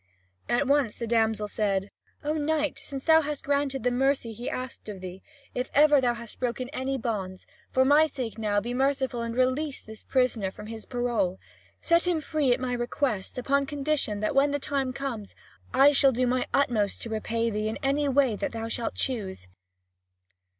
At once the damsel said: "O knight, since thou hast granted the mercy he asked of thee, if ever thou hast broken any bonds, for my sake now be merciful and release this prisoner from his parole. Set him free at my request, upon condition that when the time comes, I shall do my utmost to repay thee in any way that thou shalt choose."